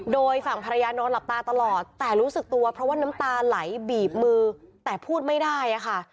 โดยฝั่งภรรยานอนหลับตาตลอดแต่รู้สึกตัวเพราะว่าน้ำตาไหลบีบมือแต่พูดไม่ได้อะค่ะ